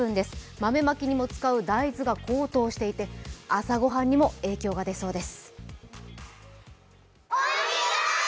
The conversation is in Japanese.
豆まきにも使う大豆が高騰していて朝ご飯にも影響が出そうです。